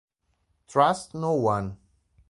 Trust No One